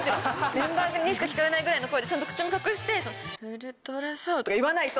メンバーにしか聞こえないぐらいの声でちゃんと口も隠して。とか言わないと。